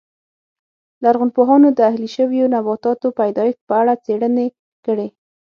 لرغونپوهانو د اهلي شویو نباتاتو پیدایښت په اړه څېړنې کړې